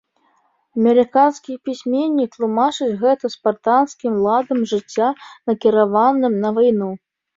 Амерыканскі пісьменнік тлумачыць гэта спартанскім ладам жыцця, накіраваным на вайну.